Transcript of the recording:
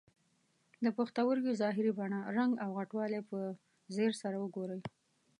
د پښتورګي ظاهري بڼه، رنګ او غټوالی په ځیر سره وګورئ.